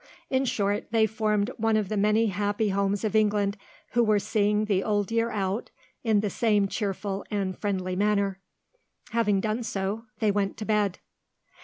In short, they formed one of the many happy homes of England who were seeing the old year out in the same cheerful and friendly manner. Having done so, they went to bed.